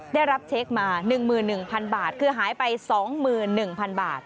ได้รับเช็คมา๑๑๐๐๐บาทคือหายไป๒๑๐๐๐บาท